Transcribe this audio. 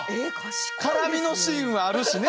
絡みのシーンはあるしね。